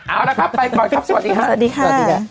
เอาล่ะครับไปก่อนครับสวัสดีค่ะ